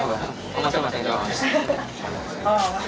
oh mas kaisah